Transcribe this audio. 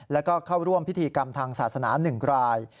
แล้วก็เข้าร่วมพิธีกรรมทางศาสนา๑ราย